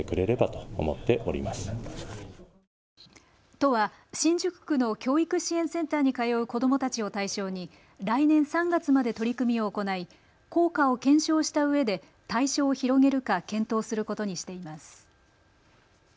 都は新宿区の教育支援センターに通う子どもたちを対象に来年３月まで取り組みを行い効果を検証したうえで対象を広げるか検討することにしています。